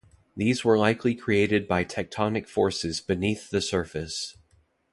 These were likely created by tectonic forces beneath the surface.